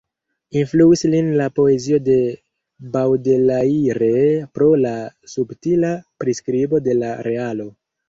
Influis lin la poezio de Baudelaire pro la subtila priskribo de la realo.